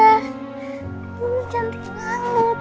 aku canggih banget